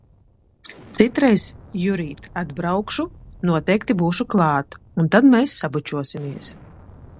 Citreiz, Jurīt, atbraukšu, noteikti būšu klāt un tad mēs sabučosimies.